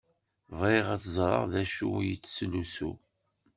Bɣiɣ ad ẓṛeɣ dacu i yettlusu.